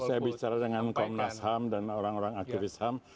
saya bicara dengan komnas ham dan orang orang aktivis ham